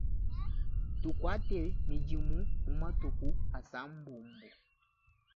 Tukuate midimu mu matuku asambombo.